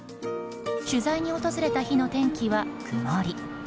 取材に訪れた日の天気は、曇り。